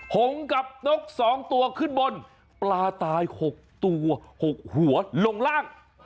หงกับนกสองตัวขึ้นบนมีปลาตายหกตัวหกหัวหลงร่าง